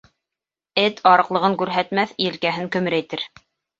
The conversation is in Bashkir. Эт арыҡлығын күрһәтмәҫ, елкәһен көмөрәйтер.